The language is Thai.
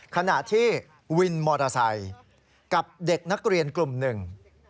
ขณะที่วินมอเตอร์ไซค์กับเด็กนักเรียนกลุ่มหนึ่ง